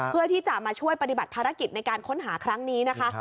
เพื่อที่จะมาช่วยปฏิบัติภารกิจในการค้นหาครั้งนี้นะคะ